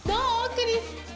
クリス。